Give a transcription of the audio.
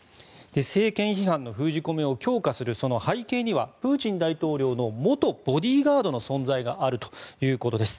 政権批判の封じ込めを強化するその背景にはプーチン大統領の元ボディーガードの存在があるということです。